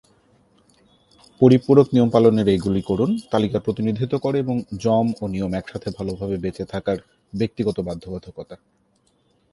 পরিপূরক নিয়ম পালনের "এইগুলি করুন" তালিকার প্রতিনিধিত্ব করে এবং যম ও নিয়ম একসাথে ভালভাবে বেঁচে থাকার ব্যক্তিগত বাধ্যবাধকতা।